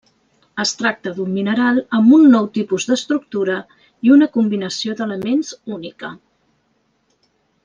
Es tracta d'un mineral amb un nou tipus d'estructura i una combinació d'elements única.